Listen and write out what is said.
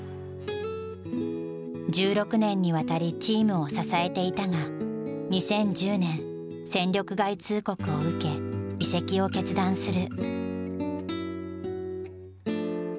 １６年にわたりチームを支えていたが２０１０年戦力外通告を受け移籍を決断する。